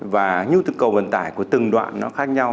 và nhu cầu vận tải của từng đoạn khác nhau